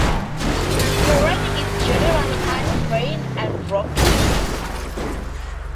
Terrain is generally uneven and rocky.